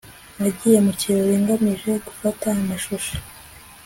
nagiye mu kirori ngamije gufata amashusho